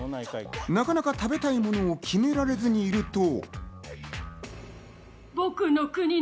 なかなか食べたいものを決められずにいると。